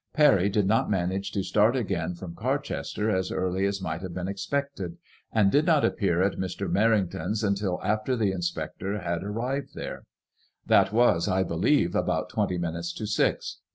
Parry did not manage to start again from Carchester as early as might have been expected, and did not appear at Mr. Merring ton*8 till after the inspector had arrived there. That was, I be lieve, about twenty minutes to six.